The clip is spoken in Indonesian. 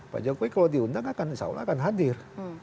pak jokowi kalau diundang akan insya allah akan hadir